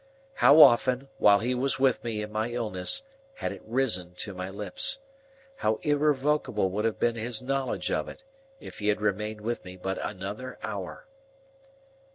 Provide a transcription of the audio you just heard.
How often, while he was with me in my illness, had it risen to my lips! How irrevocable would have been his knowledge of it, if he had remained with me but another hour!